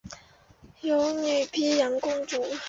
有女沘阳公主。